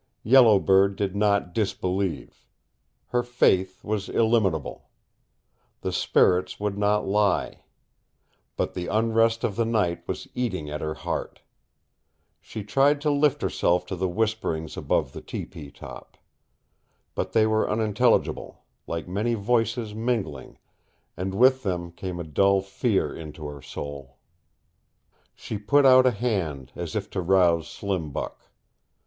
Yellow Bird did not disbelieve. Her faith was illimitable. The spirits would not lie. But the unrest of the night was eating at her heart. She tried to lift herself to the whisperings above the tepee top. But they were unintelligible, like many voices mingling, and with them came a dull fear into her soul. She put out a hand, as if to rouse Slim Buck.